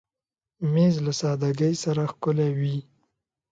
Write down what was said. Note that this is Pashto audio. مېز له سادګۍ سره ښکلی وي.